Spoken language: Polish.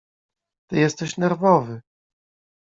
Ty jesteś nerwowy.